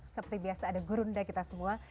seperti biasa ada gurunda kita semua